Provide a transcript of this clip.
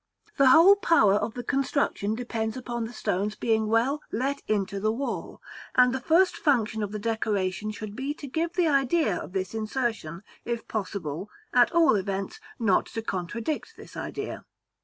The whole power of the construction depends upon the stones being well let into the wall; and the first function of the decoration should be to give the idea of this insertion, if possible; at all events, not to contradict this idea.